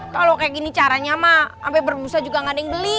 kalau kayak gini caranya mak sampai berbusa juga gak ada yang beli